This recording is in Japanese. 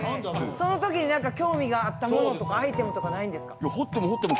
その時に何か興味があったものとかアイテムとかないんですか？